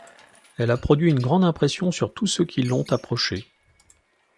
Elle a produit une grande impression sur tous ceux qui l’ont approchée.